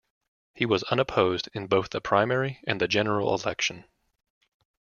He was unopposed in both the primary and the general election.